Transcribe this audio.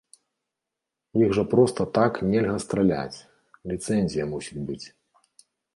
Іх жа проста так нельга страляць, ліцэнзія мусіць быць.